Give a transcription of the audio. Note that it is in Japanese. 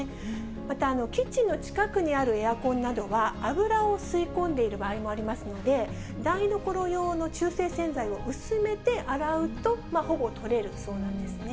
また、キッチンの近くにあるエアコンなどは、油を吸い込んでいる場合もありますので、台所用の中性洗剤を薄めて洗うと、ほぼ取れるそうなんですね。